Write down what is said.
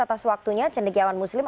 atas waktunya cendekiawan muslim